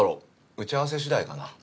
打ち合わせ次第かな。